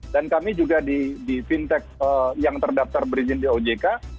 dan kami juga di fintech yang terdaftar berizin di ojk